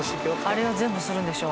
あれを全部するんでしょ？